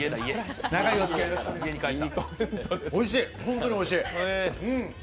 おいしい、本当においしい。